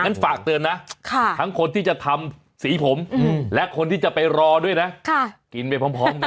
ฝากเตือนนะทั้งคนที่จะทำสีผมและคนที่จะไปรอด้วยนะกินไปพร้อมกัน